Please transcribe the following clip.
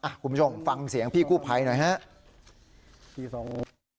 คุณผู้ชมฟังเสียงพี่กู้ภัยหน่อยฮะ